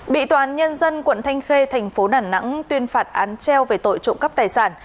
bị toán nhân dân quận thanh khê thành phố đà nẵng tuyên phạt án treo về tội trộm cắp tài sản